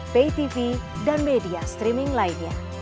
pay tv dan media streaming lainnya